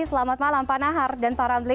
selamat malam pak nahar dan pak ramli